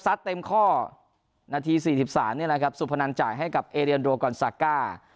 เต็มข้อนาที๔๓นี่แหละครับสุพนันจ่ายให้กับเอเรียนโดกอนซาก้า